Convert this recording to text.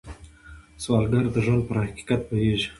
سوالګر د ژوند پر حقیقت پوهېږي